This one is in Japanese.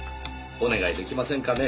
お願い出来ませんかね？